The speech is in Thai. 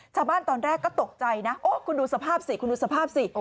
ตอนแรกก็ตกใจนะโอ้คุณดูสภาพสิคุณดูสภาพสิ